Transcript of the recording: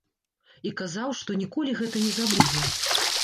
І казаў, што ніколі гэта не забудзе.